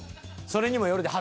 それにもよるで。